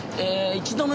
１度目？